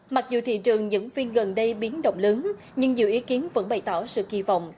mặc dù thị trường dẫn viên gần đây biến động lớn nhưng nhiều ý kiến vẫn bày tỏ sự kỳ vọng